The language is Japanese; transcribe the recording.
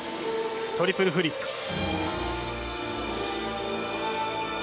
トリプルフリップ。